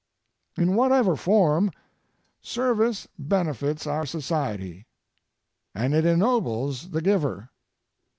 In whatever form, service benefits our society, and it ennobles the giver.